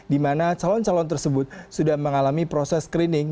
di mana calon calon tersebut sudah mengalami proses screening